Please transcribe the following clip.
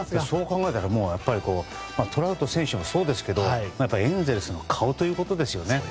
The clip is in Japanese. そう考えたらトラウト選手もそうですけど、エンゼルスの顔ということですね。